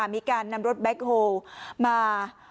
มีการนำรถแบ็คโฮลมา